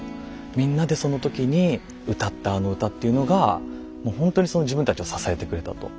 みんなでその時に歌ったあの歌っていうのがもうほんとに自分たちを支えてくれたと。